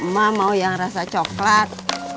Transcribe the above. mama mau yang rasa coklat